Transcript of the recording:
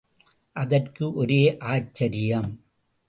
அதற்கு ஒரே ஆச்சரியம்.